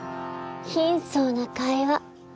貧相な会話。